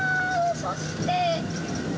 そして。